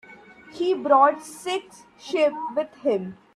He brought six sheep with him.